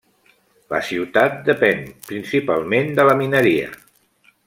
La ciutat depèn principalment de la mineria.